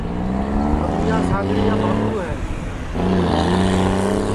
کمیا سانڳڑی کا بھانتوں ہے